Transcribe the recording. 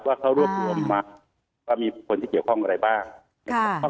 ว่าเขาร่วมเครื่องมักว่ามีผลที่เกี่ยวข้องกับอะไรบ้าง